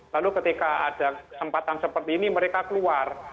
lalu ketika ada kesempatan seperti ini mereka keluar